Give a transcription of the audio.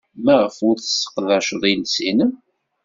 Maɣef ur tesseqdaceḍ iles-nnem?